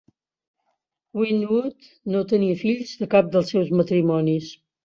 Winwood no tenia fills de cap dels seus matrimonis.